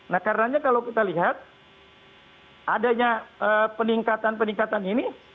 nah karenanya kalau kita lihat adanya peningkatan peningkatan ini